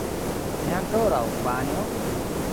Ne ankoraŭ, panjo.